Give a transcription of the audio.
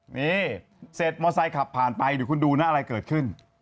นี่เสร็จมอเซขับผ่านไปเดี๋ยวคุณดูนะอะไรเกิดขึ้น